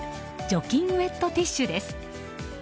除菌ウェットティッシュです。